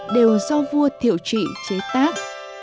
đều do vua thiệu trị chế tác